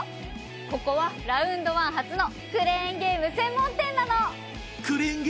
ここはラウンドワン初のクレーンゲーム専門店なの。